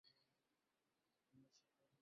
সে তখন বলবে, হে আমার প্রতিপালক!